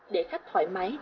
để khách thoải mái